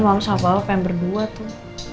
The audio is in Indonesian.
kalian malam sabar apa yang berdua tuh